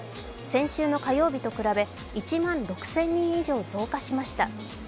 先週の火曜日と比べ１万６０００人以上増加しました。